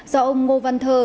do ông ngô văn thơ